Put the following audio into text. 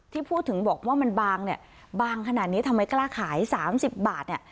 ที่พูดถึงบอกว่ามันบางเนี่ยบางขนาดนี้ทำไมกล้าขาย๓๐บาทเนี่ย